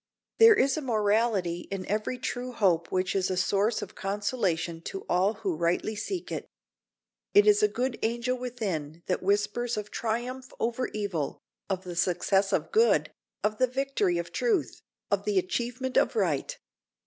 There is a morality in every true hope which is a source of consolation to all who rightly seek it. It is a good angel within that whispers of triumph over evil, of the success of good, of the victory of truth, of the achievement of right.